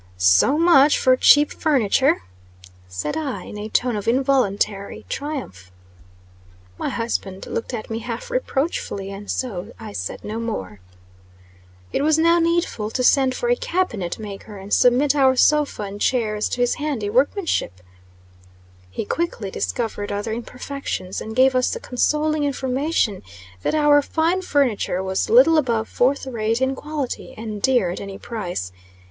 "So much for cheap furniture," said I, in a tone of involuntary triumph. My husband looked at me half reproachfully, and so I said no more. It was now needful to send for a cabinet maker, and submit our sofa and chairs to his handy workmanship. He quickly discovered other imperfections, and gave us the consoling information that our fine furniture was little above fourth rate in quality, and dear at any price.